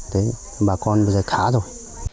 thế bà con bây giờ khá rồi